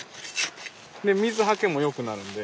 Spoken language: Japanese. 水はけもよくなるんで。